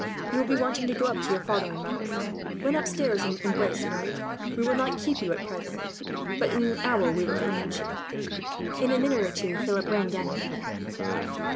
You will be wanting to go up to your father and mother. Run upstairs and embrace Marie. We will not keep you at present, but in an hour we will be up with you." In a minute or two Philip ran down again.